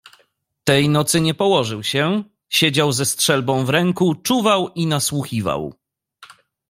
"Tej nocy nie położył się, przesiedział ze strzelbą w ręku, czuwał i nasłuchiwał."